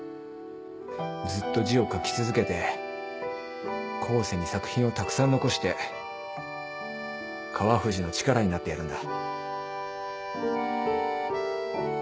ずっと字を書き続けて後世に作品をたくさん残して川藤の力になってやるんだ。